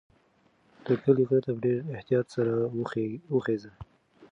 د کلي غره ته په ډېر احتیاط سره وخیژئ.